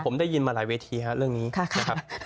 ผมได้ยินมาหลายเวทีครับเรื่องนี้นะครับ